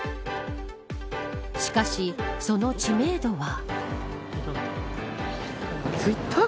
しかし、その知名度は。